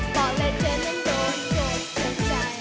บอกเลยเธอนั้นโดนโดนจัน